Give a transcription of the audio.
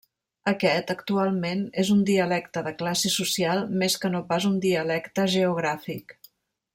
Aquest, actualment, és un dialecte de classe social més que no pas un dialecte geogràfic.